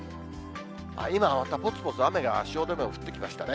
今また、ぽつぽつと雨が汐留でも降ってきましたね。